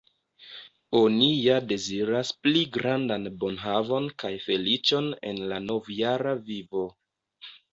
Oni ja deziras pli grandan bonhavon kaj feliĉon en la novjara vivo.